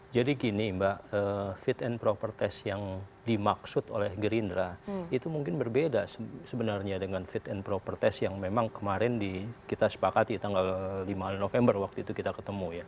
gini mbak fit and proper test yang dimaksud oleh gerindra itu mungkin berbeda sebenarnya dengan fit and proper test yang memang kemarin kita sepakati tanggal lima november waktu itu kita ketemu ya